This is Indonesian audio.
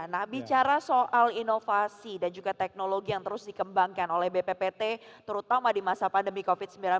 nah bicara soal inovasi dan juga teknologi yang terus dikembangkan oleh bppt terutama di masa pandemi covid sembilan belas